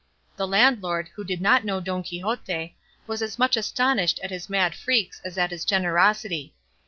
The landlord, who did not know Don Quixote, was as much astonished at his mad freaks as at his generosity.